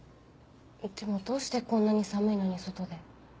でもどうしてこんなに寒いのに外で。